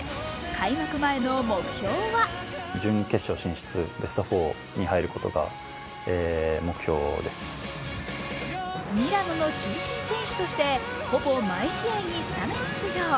開幕前の目標はミラノの中心選手としてほぼ毎試合にスタメン出場。